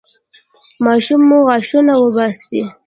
ماشوم مو غاښونه وباسي؟